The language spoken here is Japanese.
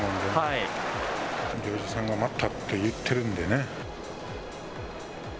行司さんが待ったと言ってるんですね。